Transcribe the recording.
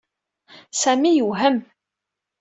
Sami yewhem.